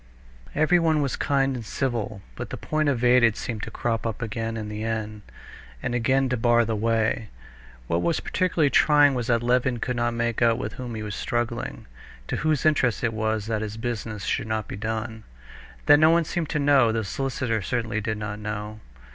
Everyone was kind and civil, but the point evaded seemed to crop up again in the end, and again to bar the way. What was particularly trying, was that Levin could not make out with whom he was struggling, to whose interest it was that his business should not be done. That no one seemed to know; the solicitor certainly did not know.